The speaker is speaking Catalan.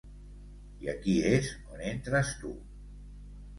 I aquí és on entres tu.